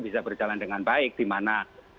bisa berjalan dengan baik di mana